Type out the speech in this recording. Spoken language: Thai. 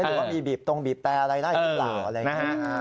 หรือว่ามีบีบตรงบีบแตนอะไรได้หรภะ